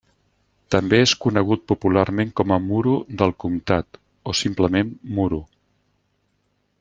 També és conegut popularment com a Muro del Comtat o simplement Muro.